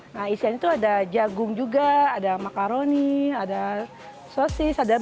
nah isian itu ada jagung juga ada makaroni ada sosis ada